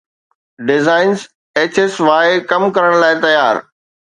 designer HS Y ڪم ڪرڻ لاءِ تيار